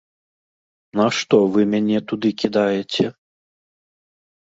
На што вы мяне туды кідаеце?